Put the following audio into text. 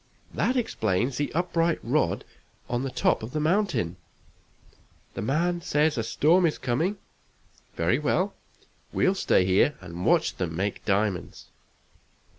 That explains the upright rod on the top of the mountain. The man says a storm is coming very well; we'll stay here and watch them make diamonds!"